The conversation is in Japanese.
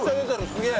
すげえ！